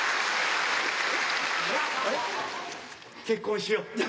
結婚しよう。